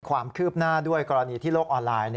ความคืบหน้าด้วยกรณีที่โลกออนไลน์